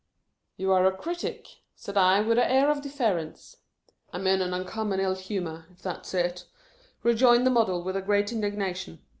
" You are a critic," said I, with an air of deference. " I 'm in an uncommon ill humour, if that's it," rejoined the Model, with great indigna tion.